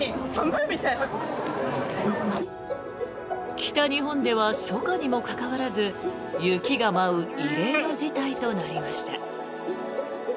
北日本では初夏にもかかわらず雪が舞う異例の事態となりました。